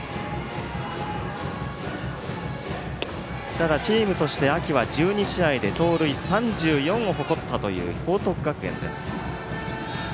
ただ、チームとして秋は盗塁３４を誇ったという報徳学園です。